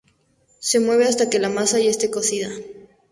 Se mueve hasta que la masa ya este cocida.